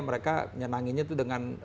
mereka nyenanginnya tuh dengan